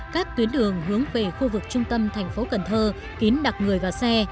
các tuyến đường hướng về khu vực trung tâm thành phố cần thơ kín đặc người vào xe